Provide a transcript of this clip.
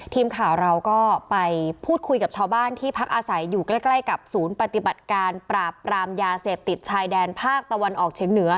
ทีมข่าวเราก็ไปพูดคุยกับชาวบ้านที่พักอาศัยอยู่ใกล้กับศูนย์ปฏิบัติการปราบปรามยาเสพติดชายแดนภาคตะวันออกเฉียงเหนือ